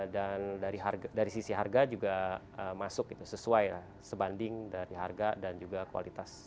dan dari harga dari sisi harga juga masuk itu sesuai sebanding dari harga dan juga kualitas